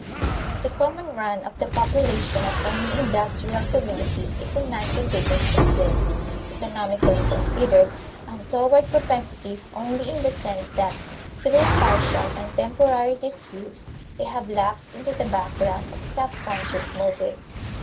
The common run of the population of any industrial community is emancipated from these, economically considered, untoward propensities only in the sense that, through partial and temporary disuse, they have lapsed into the background of sub conscious motives.